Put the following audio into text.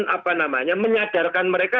apa namanya menyadarkan mereka